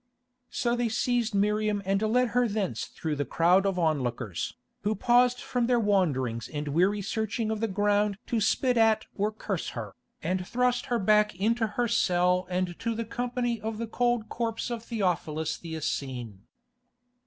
So they seized Miriam and led her thence through the crowd of onlookers, who paused from their wanderings and weary searching of the ground to spit at or curse her, and thrust her back into her cell and to the company of the cold corpse of Theophilus the Essene.